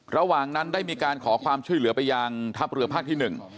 ระหว่างนั้นได้มีการขอความช่วยเหลือไปยังทัพเรือภาคที่หนึ่ง